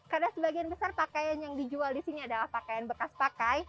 karena sebagian besar pakaian yang dijual di sini adalah pakaian bekas pakai